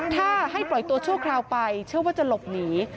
ถ้าให้ปล่อยตัวชั่วคราวไปเชื่อว่าจะหลบหนี